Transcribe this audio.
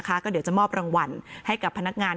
ก็เดี๋ยวจะมอบรางวัลให้กับพนักงาน